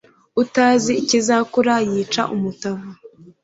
utazi ikizakura yica umutavu